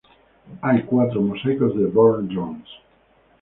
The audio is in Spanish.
Hay cuatro mosaicos de Burne-Jones.